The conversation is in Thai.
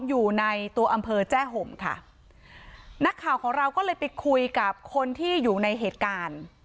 อยู่ในตัวอำเภอแจ้ห่มค่ะนักข่าวของเราก็เลยไปคุยกับคนที่อยู่ในเหตุการณ์